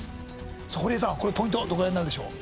さあ堀江さんこれポイントはどこらへんになるでしょう？